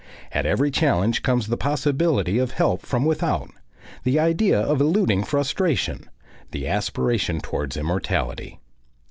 At every challenge comes the possibility of help from without, the idea of eluding frustration, the aspiration towards immortality.